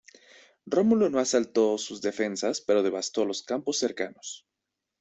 Rómulo no asaltó sus defensas pero devastó los campos cercanos.